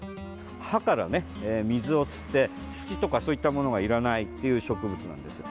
葉から水を吸って土とか、そういったものがいらないという植物なんです。